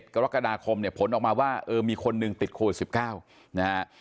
กรกฎาคมเนี่ยผลออกมาว่าเออมีคนหนึ่งติดโควิด๑๙นะฮะ